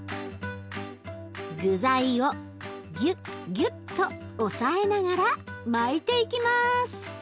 具材をギュッギュッと押さえながら巻いていきます。